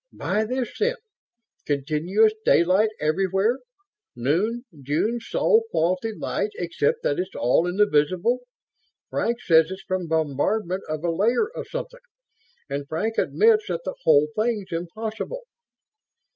"Buy this, then. Continuous daylight everywhere. Noon June Sol quality light except that it's all in the visible. Frank says it's from bombardment of a layer of something, and Frank admits that the whole thing's impossible."